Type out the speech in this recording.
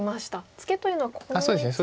ツケというのはここにツケですね。